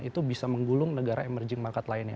itu bisa menggulung negara emerging market lainnya